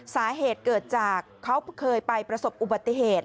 สาเหตุเกิดจากเขาเคยไปประสบอุบัติเหตุ